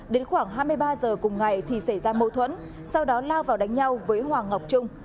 đến khoảng hai mươi ba giờ cùng ngày thì xảy ra mâu thuẫn sau đó lao vào đánh nhau với hoàng ngọc trung